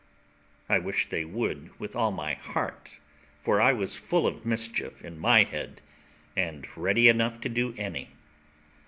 I wished they would with all my heart, for I was full of mischief in my head, and ready enough to do any.